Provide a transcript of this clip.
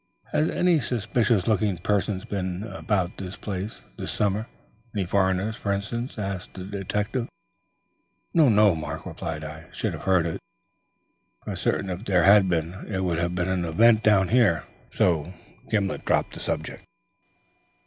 "Has any suspicious looking person been seen about this place, this summer? Any foreigner, for instance?" asked the detective. "No; no," Mark replied. "I should have heard of it for certain if there had been. It would have been an event, down here." Gimblet dropped the subject.